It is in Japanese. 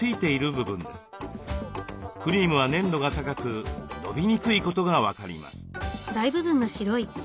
クリームは粘度が高く伸びにくいことが分かります。